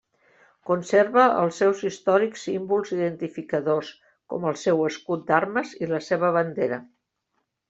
Conserva els seus històrics símbols identificadors, com el seu escut d'armes i la seva bandera.